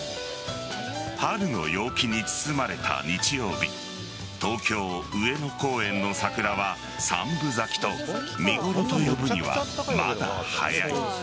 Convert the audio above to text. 春の陽気に包まれた日曜日東京・上野公園の桜は三分咲きと見頃と呼ぶにはまだ早い。